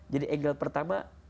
jadi angle pertama